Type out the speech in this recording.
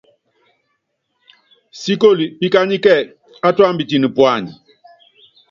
Síkoli píkányíkɛ átúámbitɛn puany.